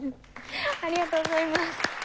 ありがとうございます。